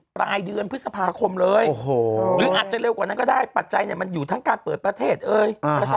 ปลายเดือนพฤษภาคมเลยหรืออาจจะเร็วกว่านั้นก็ได้ปัจจัยเนี่ยมันอยู่ทั้งการเปิดประเทศเอ่ย